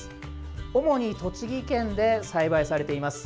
主に栃木県で栽培されています。